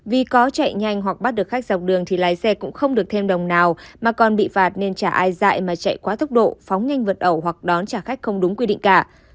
vì có chạy nhanh hoặc bắt được khách dọc đường thì lái xe cũng không được thêm đồng nào mà còn bị phạt nên trả ai dại mà chạy quá tốc độ phóng nhanh vượt ẩu hoặc đón trả khách không đúng quy định cả